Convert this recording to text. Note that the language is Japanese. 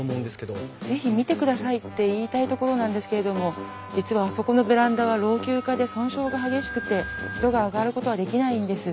是非見てくださいって言いたいところなんですけれども実はあそこのベランダは老朽化で損傷が激しくて人が上がることはできないんです。